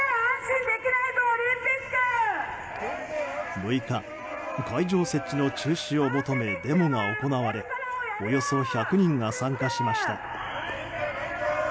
６日、会場設置の中止を求めデモが行われおよそ１００人が参加しました。